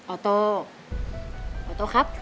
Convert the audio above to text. อโตออโตครับ